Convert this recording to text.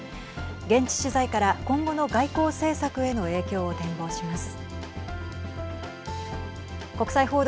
現地取材から今後の外交政策への影響を展望します。